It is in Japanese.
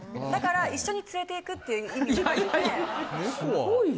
だから一緒に連れていくっていう意味で。